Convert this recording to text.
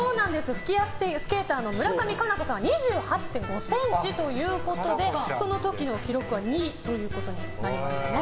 フィギュアスケーターの村上佳菜子さんは２８．５ｃｍということでその時の記録は２ということになりました。